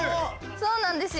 そうなんですよ。